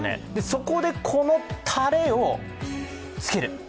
そこで、このたれをつける。